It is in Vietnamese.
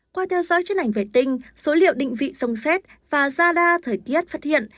qua theo dõi chất ảnh vệ tinh số liệu định vị sông xét và ra đa thời tiết phát hiện